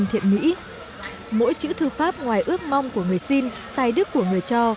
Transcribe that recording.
hiện mỹ mỗi chữ thư pháp ngoài ước mong của người xin tài đức của người cho